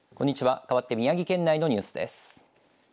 かわって宮城県内のニュースです。